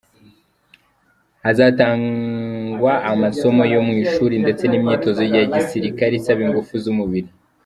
Hazatangwa amasomo yo mu ishuri ndetse n’imyitozo y’igisirikare isaba ingufu z’umubiri.